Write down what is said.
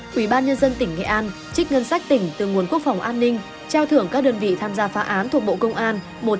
quỹ ban nhân dân tỉnh nghệ an trích ngân sách tỉnh từ ngquan defini trao thưởng các đơn vị tham gia phá án thuộc bộ công an một trăm linh triệu đồng